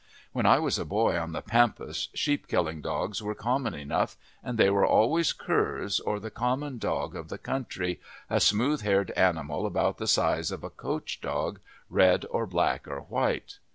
When I was a boy on the pampas sheep killing dogs were common enough, and they were always curs, or the common dog of the country, a smooth haired animal about the size of a coach dog, red, or black, or white.